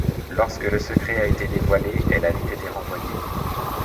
Lorsque le secret a été dévoilé, elle a vite été renvoyée.